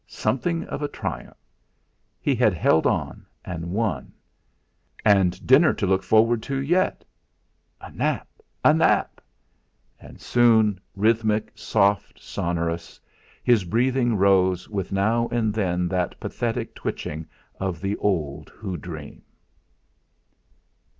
Something of a triumph! He had held on, and won. And dinner to look forward to, yet. A nap a nap! And soon, rhythmic, soft, sonorous, his breathing rose, with now and then that pathetic twitching of the old who dream.